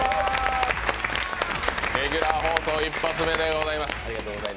レギュラー放送１発目でございます。